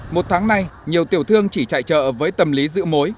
một tháng nay nhiều tiểu thương chỉ chạy chợ với tâm lý giữ mối